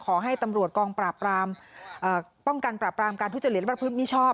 ขอให้ตำรวจกองปราบรามป้องกันปราบรามการทุจริตและประพฤติมิชอบ